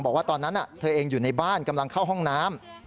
บอกว่าตอนนั้นเธอเองอยู่ในบ้านกำลังเข้าห้องน้ำ